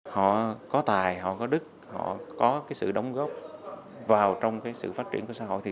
họ có tài họ có đức họ có sự đóng góp vào trong sự phát triển của xã hội